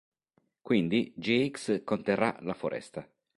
Quindi Gx conterrà la foresta.